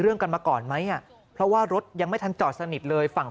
กันมาก่อนไหมอ่ะเพราะว่ารถยังไม่ทันจอดสนิทเลยฝั่ง